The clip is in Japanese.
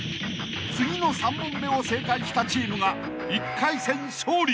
［次の３問目を正解したチームが１回戦勝利］